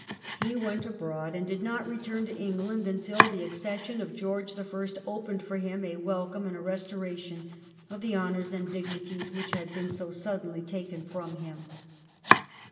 He went abroad, and did not return to England until the accession of George the First opened for him a welcome and a restoration of the honours and dignities which had been so suddenly taken from him.